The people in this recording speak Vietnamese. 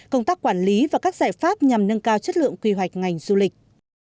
công tác quản lý và các giải pháp nhằm nâng cao chất lượng quy hoạch ngành du lịch